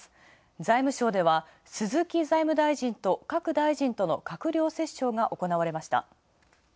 財務省では鈴木財務大臣と各大臣との閣僚折衝が行われました。